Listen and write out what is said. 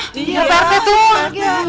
iya prt tuh